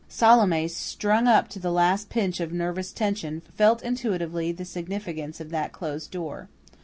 Salome, strung up to the last pitch of nervous tension, felt intuitively the significance of that closed door.